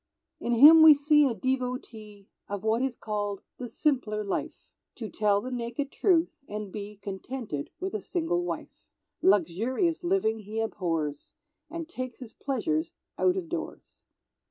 In him we see a devotee Of what is called the "simpler life" (To tell the naked Truth, and be Contented with a single wife). Luxurious living he abhors, And takes his pleasures out of doors.